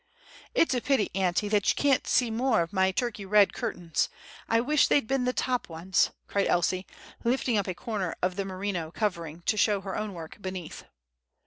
"It's a pity, auntie, that you can't see more of my Turkey red curtains; I wish they'd been the top ones," cried Elsie, lifting up a corner of the merino covering to show her own work beneath.